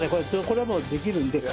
これはもうできるんで。